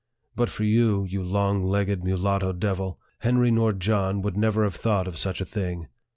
But for you, you long legged mulatto devil ! Henry nor John would never have thought of such a thing."